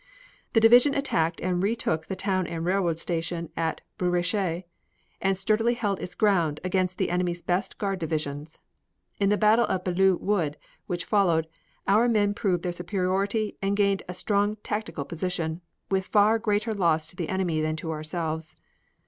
The division attacked and retook the town and railroad station at Bouresches and sturdily held its ground against the enemy's best guard divisions. In the battle of Belleau Wood, which followed, our men proved their superiority and gained a strong tactical position, with far greater loss to the enemy than to ourselves.